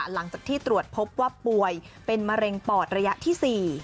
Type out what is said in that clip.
หลังจากที่ตรวจพบว่าป่วยเป็นมะเร็งปอดระยะที่๔